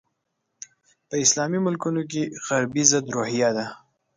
په اسلامي ملکونو کې غربي ضد روحیه ده.